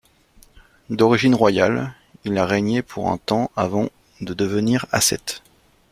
D'origine royale, il a régné pour un temps avant de devenir ascète.